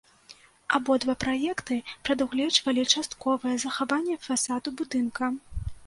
Абодва праекты прадугледжвалі частковае захаванне фасаду будынка.